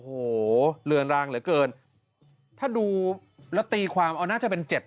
โอ้โหเรือนรางเหลือเกินถ้าดูแล้วตีความเอาน่าจะเป็นเจ็ด